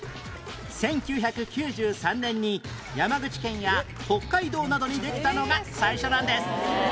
１９９３年に山口県や北海道などにできたのが最初なんです